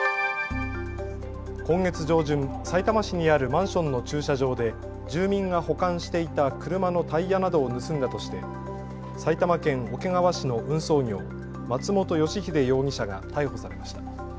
今月上旬、さいたま市にあるマンションの駐車場で住民が保管していた車のタイヤなどを盗んだとして埼玉県桶川市の運送業、松本吉秀容疑者が逮捕されました。